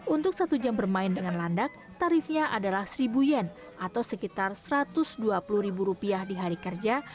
untuk satu jam bermain dengan landak tarifnya adalah seribu yen atau sekitar satu ratus dua puluh ribu rupiah di hari kerja